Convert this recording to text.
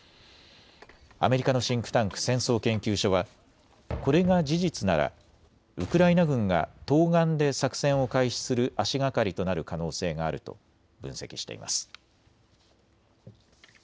アメリカのシンクタンク、戦争研究所はこれが事実ならウクライナ軍が東岸で作戦を開始する足がかりとなる可能性があると分析しています。